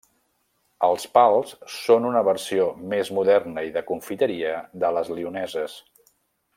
Els pals són una versió més moderna i de confiteria de les lioneses.